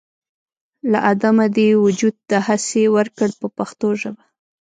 له عدمه دې وجود دهسې ورکړ په پښتو ژبه.